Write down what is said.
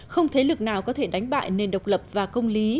không thế lực nào có thể đánh bại nền độc lập và công lý